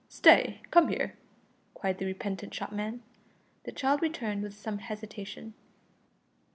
"Stay! come here," cried the repentant shopman. The child returned with some hesitation.